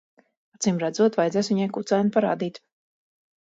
Acīmredzot, vajadzēs viņai kucēnu parādīt.